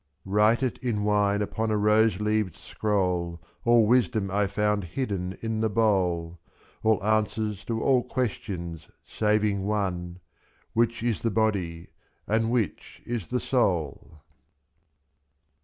65 Write it in wine upon a rose leaved scroll : All wisdom I found hidden in the bowl, f"^^' All answers to all questions saving one, — Which is the body, and which is the soul